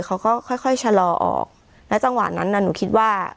เขาก็ค่อยค่อยชะลอออกและจังหวะนั้นน่ะหนูคิดว่า